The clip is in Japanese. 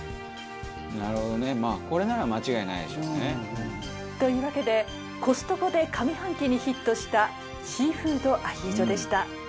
「なるほどね。まあこれなら間違いないでしょうね」というわけでコストコで上半期にヒットしたシーフードアヒージョでした。